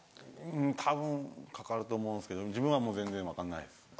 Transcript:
たぶんかかると思うんですけど自分は全然分かんないですね。